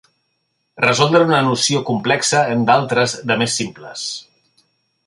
Resoldre una noció complexa en d'altres de més simples.